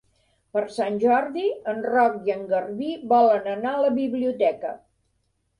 Per Sant Jordi en Roc i en Garbí volen anar a la biblioteca.